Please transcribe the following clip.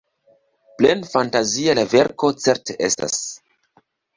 Plenfantazia la verko certe estas.